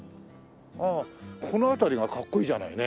ああこの辺りがかっこいいじゃないよね。